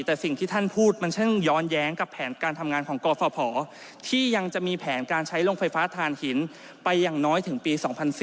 แต่สิ่งที่ท่านพูดมันช่างย้อนแย้งกับแผนการทำงานของกฟภที่ยังจะมีแผนการใช้โรงไฟฟ้าฐานหินไปอย่างน้อยถึงปี๒๔